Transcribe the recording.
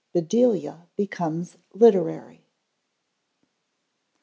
_Bedelia Becomes Literary.